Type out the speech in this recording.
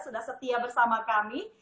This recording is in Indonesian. sudah setia bersama kami